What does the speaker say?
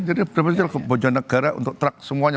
jadi ke bojonegara untuk truk semuanya